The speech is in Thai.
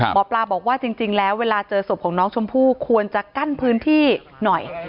หมอปลาบอกว่าจริงแล้วเวลาเจอศพของน้องชมพู่ควรจะกั้นพื้นที่หน่อย